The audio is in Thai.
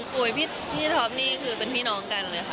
พี่ท็อปนี่คือเป็นพี่น้องกันเลยค่ะ